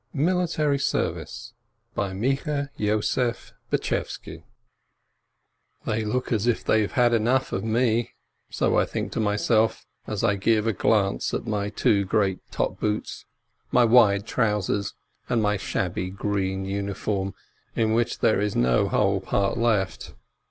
MILITARY SERVICE " They look as if they'd enough of me !" So I think to myself, as I give a glance at my two great top boots, my wide trousers, and my shabby green uniform, in which there is no whole part left.